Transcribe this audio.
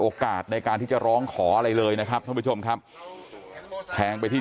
โอกาสในการที่จะร้องขออะไรเลยนะครับท่านผู้ชมครับแทงไปที่